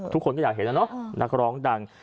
ทุกคนก็อยากเห็นแล้วเนาะนักร้องดัง